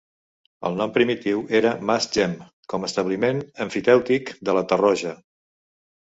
El nom primitiu era Mas Gem, com establiment emfitèutic de la Torroja.